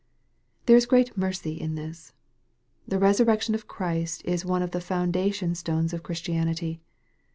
There is great mercy in this. The resurrection of Christ is one of the foundation stones of Christianity.